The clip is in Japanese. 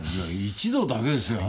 一度だけですよ。